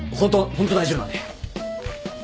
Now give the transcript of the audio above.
ホント大丈夫なんで。